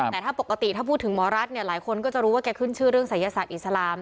แต่ถ้าปกติถ้าพูดถึงหมอรัฐเนี่ยหลายคนก็จะรู้ว่าแกขึ้นชื่อเรื่องศัยศาสตร์อิสลาม